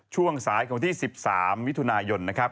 ช่วงสายของวันที่๑๓มิถุนายนนะครับ